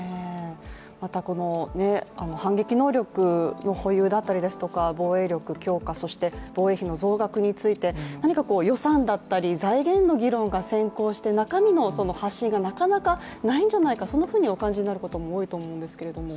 またこの反撃能力の保有だったりですとか防衛力強化、そして防衛費の増額について、なにか予算だったり財源の議論が先行して中身の発信がなかなかないんじゃないかとお感じになることも多いと思んですけれども。